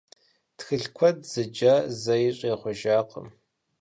Тхылъ куэд зыджа зэи щӀегъуэжакъым.